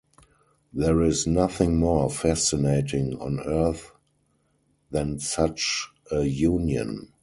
There is nothing more fascinating on earth than such a union.